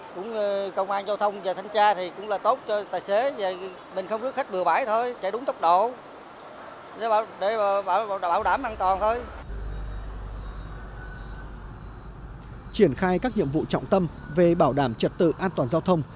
công an giao thông và thanh tra thì cũng là tốt cho tài xế mình không rước khách bừa bãi thôi chạy đúng tốc độ để bảo đảm an toàn thôi